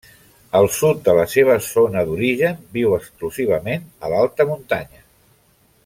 Al sud de la seva zona d'origen viu exclusivament a l'alta muntanya.